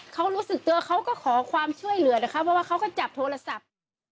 เขารู้สึกตัวเขาก็ขอความช่วยเหลือนะคะเพราะว่าเขาก็จับโทรศัพท์